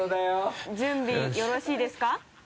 準備よろしいですか？